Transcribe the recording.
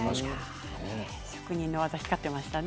職人の技が光っていましたね。